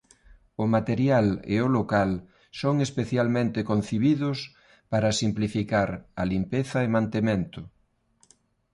O material e o local son especialmente concibidos para simplificar a limpeza e mantemento.